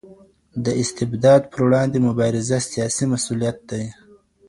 د استبداد پر وړاندي مبارزه سياسي مسووليت دی.